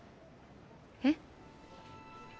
えっ？